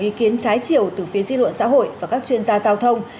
ý kiến trái chiều từ phía dư luận xã hội và các chuyên gia giao thông